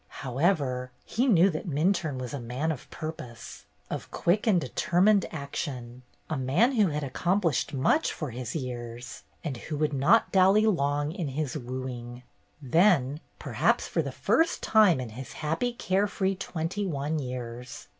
However, he knew that Minturne was a man of purpose, of quick and determined action, a man who had ac complished much for his years, and who would not dally long in his wooing. Then, perhaps for the first time in his happy, care free twenty one years.